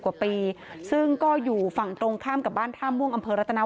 กว่าปีซึ่งก็อยู่ฝั่งตรงข้ามกับบ้านท่าม่วงอำเภอรัตนา